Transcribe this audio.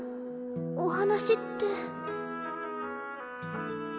お話って。